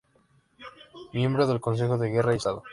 Miembro del Consejo de Guerra y Estado.